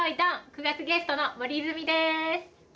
９がつゲストの森泉です。